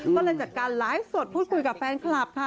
ก็เลยจัดการไลฟ์สดพูดคุยกับแฟนคลับค่ะ